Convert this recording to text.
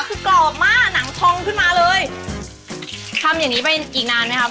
คือกรอบมากหนังทองขึ้นมาเลยทำอย่างงี้ไปอีกนานไหมครับ